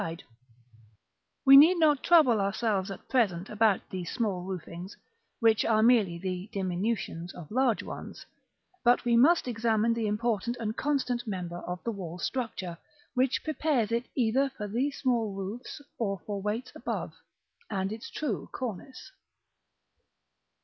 We need not trouble ourselves at present about these small roofings, which are merely the diminutions of large ones; but we must examine the important and constant member of the wall structure, which prepares it either for these small roofs or for weights above, and is its true cornice.